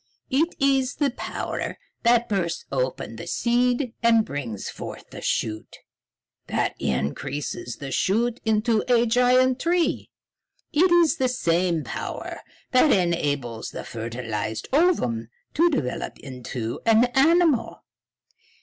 It is the power that bursts open the seed and brings forth the shoot, that increases the shoot into a giant tree. It is the same power that enables the fertilized ovum to develop into an animal.